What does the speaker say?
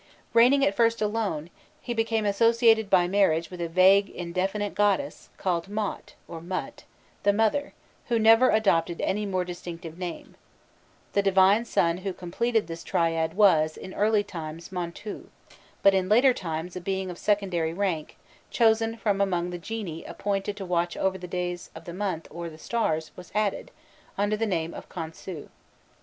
Reigning at first alone, he became associated by marriage with a vague indefinite goddess, called Maût, or Mût, the "mother," who never adopted any more distinctive name: the divine son who completed this triad was, in early times, Montû; but in later times a being of secondary rank, chosen from among the genii appointed to watch over the days of the month or the stars, was added, under the name of Khonsû.